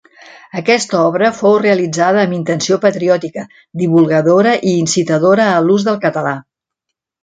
Aquesta obra fou realitzada amb intenció patriòtica, divulgadora i incitadora a l'ús del català.